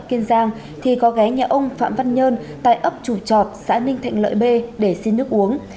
kiên giang thì có ghé nhà ông phạm văn nhơn tại ấp chủ trọt xã ninh thạnh lợi b để xin nước uống